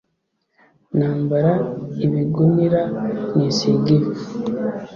nambara ibigunira nisiga ivu